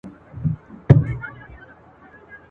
یو څو ورځي یې خالي راوړل دامونه ..